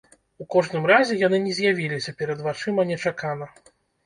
У кожным разе яны не з'явіліся перад вачыма нечакана.